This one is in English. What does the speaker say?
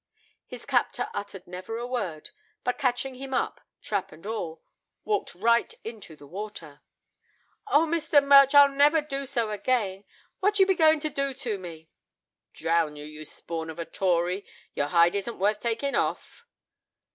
His captor uttered never a word; but catching him up, trap and all, walked right into the water. "O! Mr. Murch, I'll never do so again! What be you going to do to me?" "Drown you, you spawn of a Tory; your hide isn't worth taking off."